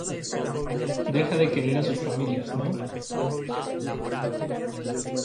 deja de querer a sus familias, ¿ no?